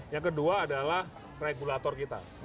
yang kedua adalah regulator kita